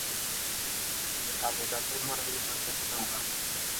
কাজে কাজেই ফরাসী কইতে হবে আমায়।